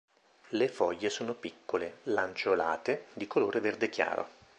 Le foglie sono piccole, lanceolate, di colore verde chiaro.